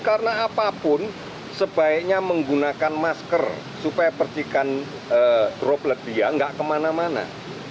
karena apapun sebaiknya menggunakan masker supaya percikan droplet dia nggak kemana mana